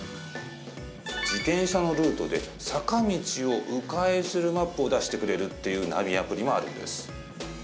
自転車のルートで坂道を、う回するマップを出してくれるっていうナビアプリもあるんです。